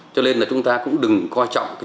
cho nên là chúng ta cũng đừng coi trọng